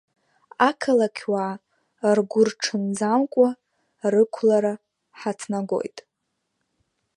Ақалақьуаа ргәырҽынӡамкуа рықәлара ҳаҭнагоит!